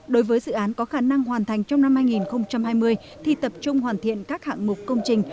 đối với dự án có khả năng hoàn thành trong năm hai nghìn hai mươi thì tập trung hoàn thiện các hạng mục công trình